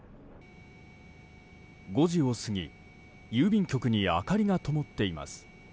５時を過ぎ、郵便局に明かりがともっています。